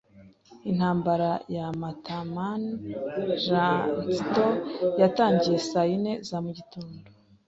Intambara ya Matamaan Jacinto yatangiye saa yine za mu gitondo.